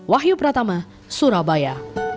wahyu pratama surabaya